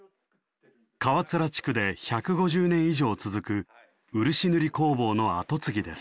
川連地区で１５０年以上続く漆塗り工房の後継ぎです。